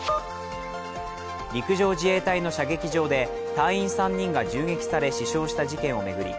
陸上自衛隊の射撃場で隊員３人が銃撃され死傷した事件を巡り